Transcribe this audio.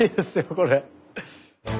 これ。